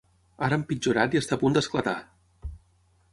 Ara ha empitjorat i està a punt d'esclatar!